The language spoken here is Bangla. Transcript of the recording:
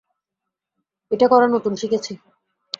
এটা করা নতুন শিখেছি।